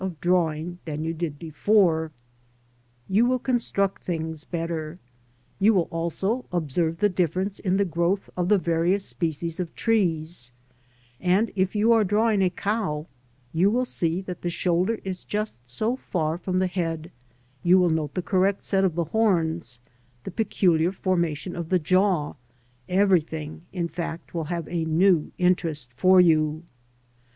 From the Painting by ALFRED EAST, A.R.A. PENCIL DRAWING FROM NATURE. 27 things better ; you will also observe the difference in the growth of the various species of trees, and if you are drawing a cow, you will see that the shoulder is just so far from the head, you will note the correct set of the horns, the peculiar formation of the jaw, everything in fact will have a new interest for you.